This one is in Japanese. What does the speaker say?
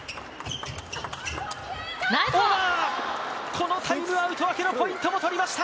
このタイムアウト明けのポイントもとりました。